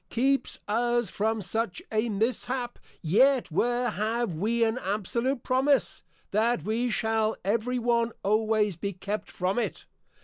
] keeps us from such a Mishap; yet where have we an Absolute Promise, that we shall every one always be kept from it?